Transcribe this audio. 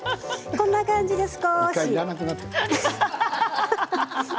こんな感じです。